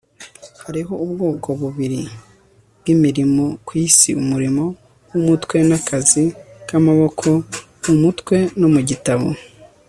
Hariho ubwoko bubiri bwimirimo kwisi umurimo wumutwe nakazi kamaboko mu mutwe no mu gitabo